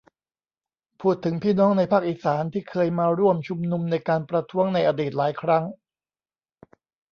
พูดถึงพี่น้องในภาคอีสาน ที่เคยมาร่วมชุมนุมในการประท้วงในอดีตหลายครั้ง